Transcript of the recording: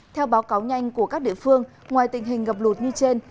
theo báo cáo nhanh của các địa phương ngoài tình hình ngập lụt như trên